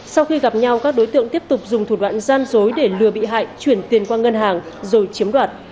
sau khi gặp nhau các đối tượng tiếp tục dùng thủ đoạn gian dối để lừa bị hại chuyển tiền qua ngân hàng rồi chiếm đoạt